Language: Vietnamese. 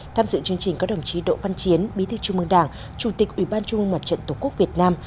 tham dự chương trình có đồng chí đỗ văn chiến bí thư trung mương đảng chủ tịch ủy ban trung ương mặt trận tổ quốc việt nam